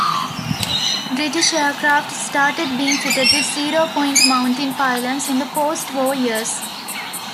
British aircraft started being fitted with "Zero-Point" mounting pylons in the post-war years.